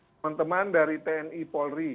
teman teman dari tni polri